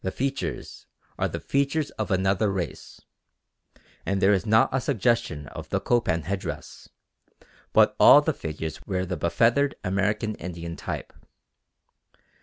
The features are the features of another race; and there is not a suggestion of the Copan headdress, but all the figures wear the befeathered American Indian type.